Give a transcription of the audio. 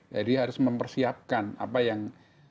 jadi harus mempersiapkan apa yang